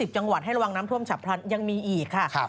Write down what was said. จังหวัดให้ระวังน้ำท่วมฉับพลันยังมีอีกค่ะ